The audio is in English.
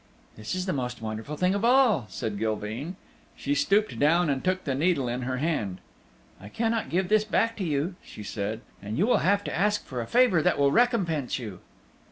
"This is the most wonderful thing of all," said Gilveen. She stooped down and took the needle in her hand. "I cannot give this back to you," she said, "and you will have to ask for a favor that will recompense you."